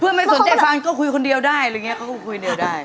เพื่อนไม่สนใจฟังก็คุยคนเดียวได้หรืออย่างนี้ก็คุยคนเดียวได้